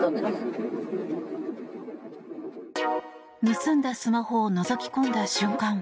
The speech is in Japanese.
盗んだスマホをのぞき込んだ瞬間